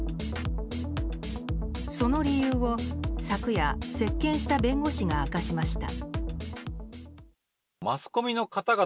その理由を昨夜、接見した弁護士が明かしました。